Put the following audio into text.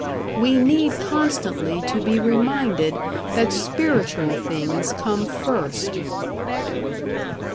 We need constantly to be reminded that spiritual things come first.